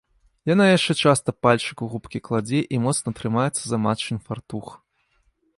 Яна яшчэ часта пальчык у губкі кладзе і моцна трымаецца за матчын фартух.